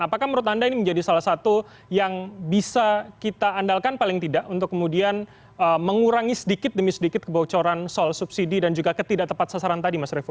apakah menurut anda ini menjadi salah satu yang bisa kita andalkan paling tidak untuk kemudian mengurangi sedikit demi sedikit kebocoran soal subsidi dan juga ketidak tepat sasaran tadi mas revo